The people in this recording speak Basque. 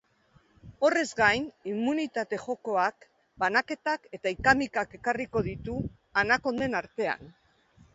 Horrez gain, inmunitate jokoak banaketak eta ika-mikak ekarriko ditu anakonden artean.